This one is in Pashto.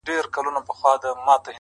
ته ډېوه را واخله ماتې هم راکه-